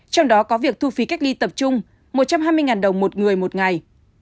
trong đó có việc thu phí cách ly tập trung một trăm hai mươi đồng một người một ngày